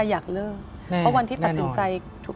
ยากมาก